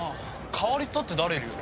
代わりったって誰いるよ？